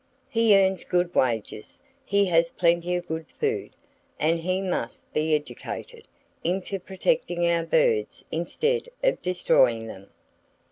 He earns good wages; he has plenty of good food; and he must be educated into protecting our birds instead of destroying them.